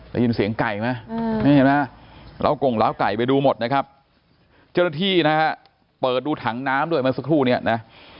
ได้ยินเสียงไก่ไหมนี่เห็นไหมล้าวกงล้าวไก่ไปดูหมดนะครับเจ้าหน้าที่นะฮะเปิดดูถังน้ำด้วยเมื่อสักครู่เนี่ยนะ